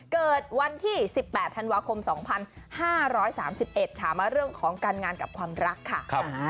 เกิดวันที่๑๘ธันวาคม๒๕๓๑ค่ะมาเรื่องของการงานกับความรักค่ะ